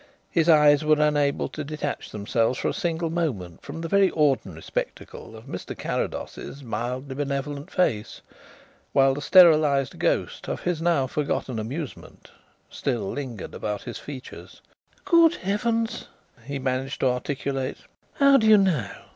His eyes were unable to detach themselves for a single moment from the very ordinary spectacle of Mr. Carrados's mildly benevolent face, while the sterilized ghost of his now forgotten amusement still lingered about his features. "Good heavens!" he managed to articulate, "how do you know?"